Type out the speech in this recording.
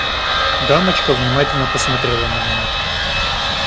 Дамочка внимательно посмотрела на меня.